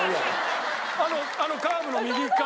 あのカーブの右側。